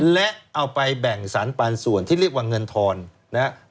และเอาไปแบ่งสรรปันส่วนที่เรียกว่าเงินทอนนะครับ